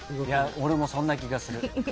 俺もそんな気がする。